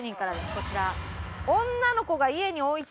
こちら。